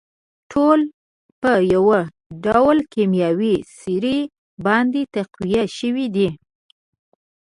ټول په يوه ډول کيمياوي سرې باندې تقويه شوي دي.